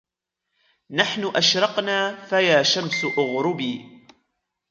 نحن أشرقنا فيا شمس أغربي